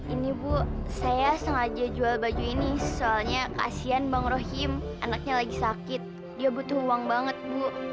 ini bu saya sengaja jual baju ini soalnya kasian bang rohim anaknya lagi sakit dia butuh uang banget bu